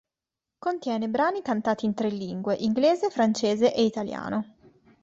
Contiene brani cantati in tre lingue: inglese, francese e italiano.